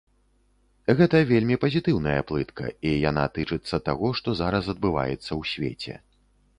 Гэта вельмі пазітыўная плытка, і яна тычыцца таго, што зараз адбываецца ў свеце.